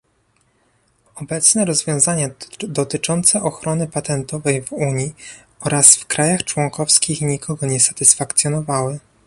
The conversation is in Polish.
Obecne rozwiązania dotyczące ochrony patentowej w Unii oraz w krajach członkowskich nikogo nie satysfakcjonowały